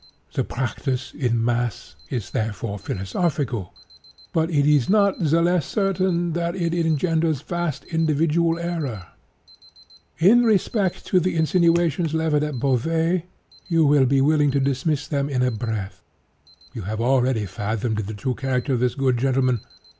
The practice, in mass, is therefore philosophical; but it is not the less certain that it engenders vast individual error. (*16) "In respect to the insinuations levelled at Beauvais, you will be willing to dismiss them in a breath. You have already fathomed the true character of this good gentleman.